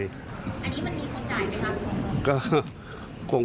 อันนี้มันมีคนจ่ายไหมคะ